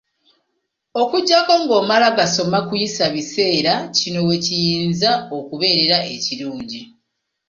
Okuggyako ng’omala gasoma kuyisa biseerakino we kiyinza okubeerera ekirungi.